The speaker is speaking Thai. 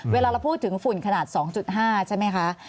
เวลาเราพูดถึงฝุ่นขนาด๒๕ใช่ไหมคะ